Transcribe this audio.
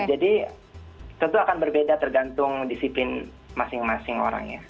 jadi tentu akan berbeda tergantung disiplin masing masing orang ya